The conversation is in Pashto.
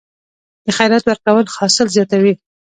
د خیرات ورکول حاصل زیاتوي؟